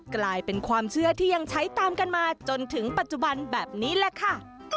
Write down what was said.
กลายเป็นความเชื่อที่ยังใช้ตามกันมาจนถึงปัจจุบันแบบนี้แหละค่ะ